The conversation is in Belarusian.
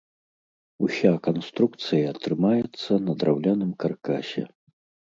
Уся канструкцыя трымаецца на драўляным каркасе.